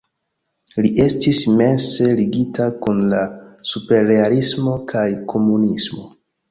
Li estis mense ligita kun la superrealismo kaj komunismo.